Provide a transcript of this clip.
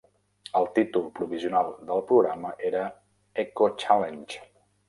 El títol provisional del programa era "Eco-Challenge".